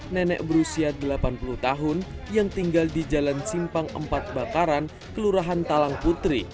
nenek berusia delapan puluh tahun yang tinggal di jalan simpang empat bakaran kelurahan talang putri